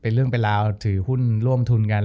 เป็นเรื่องเป็นราวถือหุ้นร่วมทุนกัน